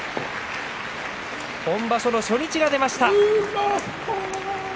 本場所の初日が出ました。